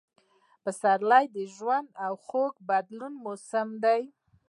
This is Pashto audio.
پسرلی – د ژوند، خوښۍ او بدلون موسم